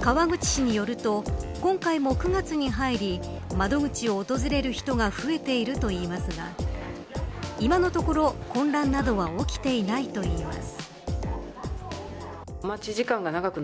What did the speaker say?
川口市によると今回も９月に入り窓口を訪れる人が増えているといいますが今のところ、混乱などは起きていないといいます。